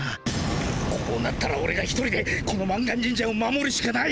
こうなったらオレが一人でこの満願神社を守るしかない！